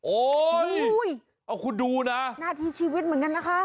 โอ้โหเอาคุณดูนะหน้าที่ชีวิตเหมือนกันนะคะ